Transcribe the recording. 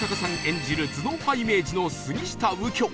演じる頭脳派イメージの杉下右京